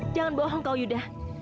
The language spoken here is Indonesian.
jangan bohong kau yuda